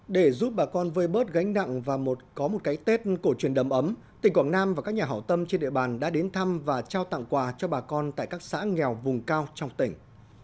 để giúp bà con vơi bớt gánh nặng và có một cái tết cổ truyền đấm ấm tỉnh quảng nam và các nhà hảo tâm trên địa bàn đã đến thăm và trao tặng quà cho bà con tại các xã nghèo vùng cao trong tỉnh